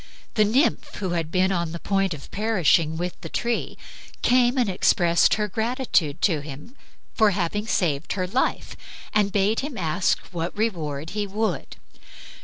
The nymph, who had been on the point of perishing with the tree, came and expressed her gratitude to him for having saved her life and bade him ask what reward he would.